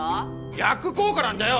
逆効果なんだよ！